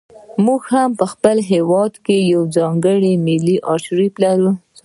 موږ هم په خپل هېواد کې یو ځانګړی ملي ارشیف لرو.